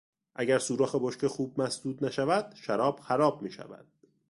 اگر سوراخ بشکه خوب مسدود نشود شراب خراب میشود.